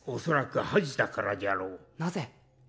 恐らく恥じたからじゃろうなぜ？